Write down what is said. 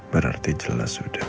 berarti jelas sudah